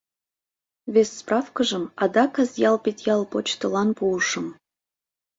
«Вес справкыжым адак Азъял-Петъял почтылан пуышым.